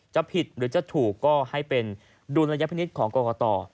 จะผิดหรือจะถูกก็ให้เป็นดุลยพินิษฐ์ของกรกต